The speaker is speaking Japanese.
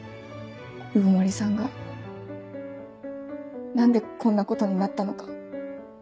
鵜久森さんが何でこんなことになったのか。